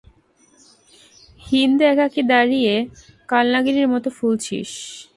হিন্দা একাকী দাঁড়িয়ে কালনাগিনীর মত ফুঁসছিল।